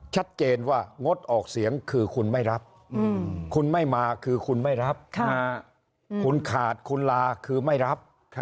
ชัดเจนว่างดออกเสียงคือคุณไม่รับคุณไม่มาคือคุณไม่รับคุณขาดคุณลาคือไม่รับ